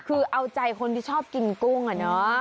คือเอาใจคนที่ชอบกินกุ้งอะเนาะ